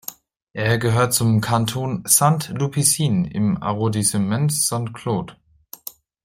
Es gehört zum Kanton Saint-Lupicin im Arrondissement Saint-Claude.